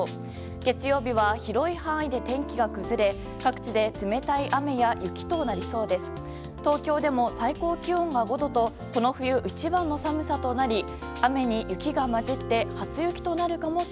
月曜日は広い範囲で天気が崩れ各地で冷たい雨や雪となりそうです。